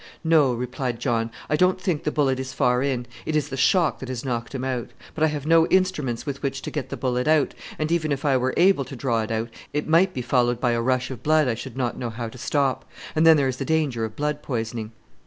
"No," replied John, "I don't think the bullet is far in, it is the shock that has knocked him out; but I have no instruments with which to get the bullet out, and even if I were able to draw it, it might be followed by a rush of blood I should not know how to stop; and then there is the danger of blood poisoning."